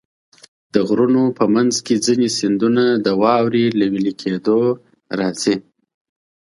د غرونو منځ کې ځینې سیندونه د واورې له وېلې کېدو راځي.